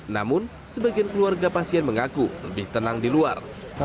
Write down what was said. namun sebagian keluarga pasien mengaku lebih tenang di luar